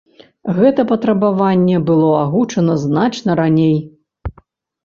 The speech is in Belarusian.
Гэтае патрабаванне было агучанае значна раней.